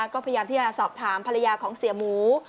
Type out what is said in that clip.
ก็พยายามที่จะสอบถามภรรยาของเสียหมู